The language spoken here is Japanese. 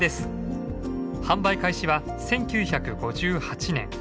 販売開始は１９５８年。